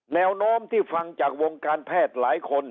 แนวโน้มที่ฟังจากวงการแพทย์หลายคน